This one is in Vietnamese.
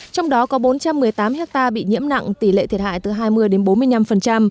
trong đó có bốn trăm một mươi tám hectare bị nhiễm nặng tỷ lệ thiệt hại từ hai mươi đến bốn mươi năm